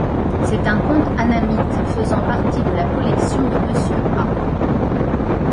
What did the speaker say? C'est un conte annamite, faisant partie de la collection de Monsieur A.